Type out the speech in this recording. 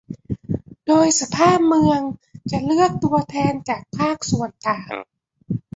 โดยสภาพลเมืองจะเลือกตัวแทนจากภาคส่วนต่าง